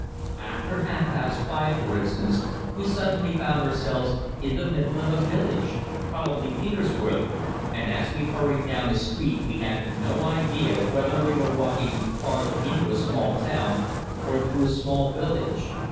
After half past five, for instance, we suddenly found ourselves in the middle of a village, probably Peterswörth, and as we hurried down a street we had no idea whether we were walking farther into a small town or through a small village.